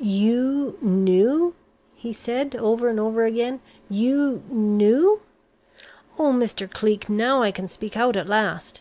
"You knew?" he said, over and over again. "You knew? Oh, Mr. Cleek, now I can speak out at last.